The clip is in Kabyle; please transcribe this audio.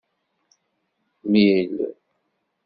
Mil.